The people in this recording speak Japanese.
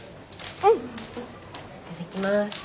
うんいただきます。